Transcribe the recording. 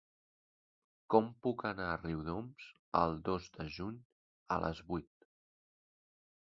Com puc anar a Riudoms el dos de juny a les vuit?